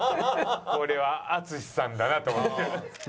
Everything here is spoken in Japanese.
「これは淳さんだな」と思ってる。